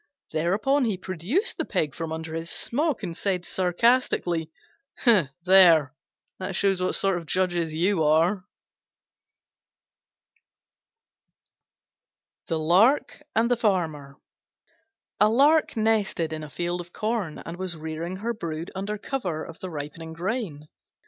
Thereupon he produced the pig from under his smock and said sarcastically, "There, that shows what sort of judges you are!" THE LARK AND THE FARMER A Lark nested in a field of corn, and was rearing her brood under cover of the ripening grain.